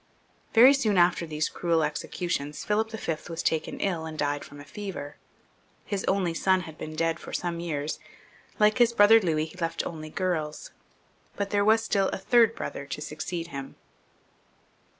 Very soon after these cruel executions Philip V. was taken ill and died from a fever. His only son had been dead for some years ; like his brother Louis he left only girls ; but there was still a third brother to succeed him.